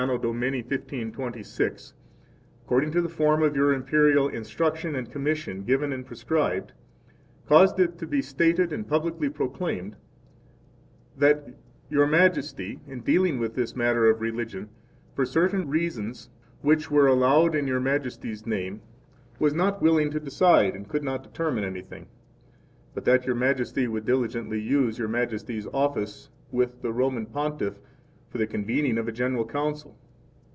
D. 1526, according to the form of Your Imperial instruction and commission given and prescribed, caused it to be stated and publicly proclaimed that 16 Your Majesty, in dealing with this matter of religion, for certain reasons which were alleged in Your Majesty's name, was not willing to decide and could not determine anything, but that Your Majesty would diligently use Your Majesty's office with the Roman Pontiff for the convening of a General Council.